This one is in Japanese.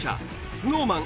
ＳｎｏｗＭａｎ